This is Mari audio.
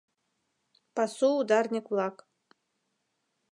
ПАСУ УДАРНИК-ВЛАК